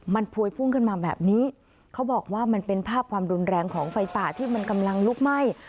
มันพวยพุ่งขึ้นมาแบบนี้เขาบอกว่ามันเป็นภาพความรุนแรงของไฟป่าที่มันกำลังลุกไหม้